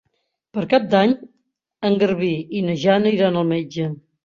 Per Cap d'Any en Garbí i na Jana iran al metge.